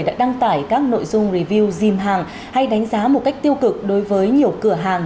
đã đăng tải các nội dung review dìm hàng hay đánh giá một cách tiêu cực đối với nhiều cửa hàng